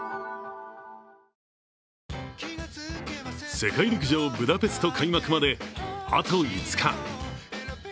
世界陸上ブダペスト開幕まで、あと５日。